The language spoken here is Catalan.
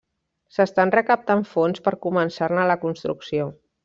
S'estan recaptant fons per començar-ne la construcció.